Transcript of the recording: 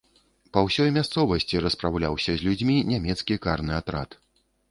Па ўсёй мясцовасці распраўляўся з людзьмі нямецкі карны атрад.